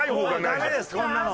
もうダメですこんなの。